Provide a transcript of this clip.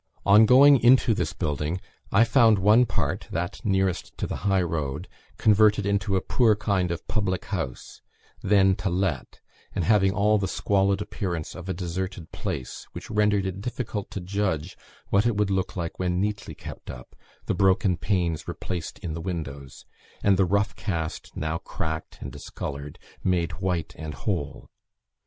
On going into this building, I found one part, that nearest to the high road, converted into a poor kind of public house, then to let, and having all the squalid appearance of a deserted place, which rendered it difficult to judge what it would look like when neatly kept up, the broken panes replaced in the windows, and the rough cast (now cracked and discoloured) made white and whole.